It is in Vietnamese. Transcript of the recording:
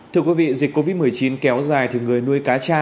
thưa quý vị dịch covid một mươi chín kéo dài thì người nuôi cá cha